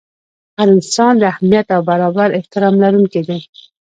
هر انسان د اهمیت او برابر احترام لرونکی دی.